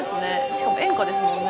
しかも演歌ですもんね。